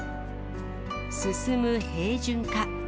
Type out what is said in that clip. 進む平準化。